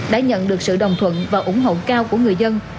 đã nhận được sự đồng thuận và ủng hộ cao của người dân